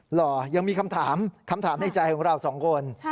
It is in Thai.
หรอยังมีคำถามในใจของเราสองคน